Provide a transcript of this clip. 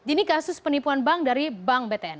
ini kasus penipuan bank dari bank btn